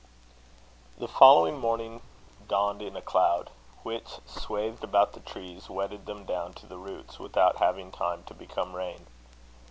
The following morning dawned in a cloud; which, swathed about the trees, wetted them down to the roots, without having time to become rain.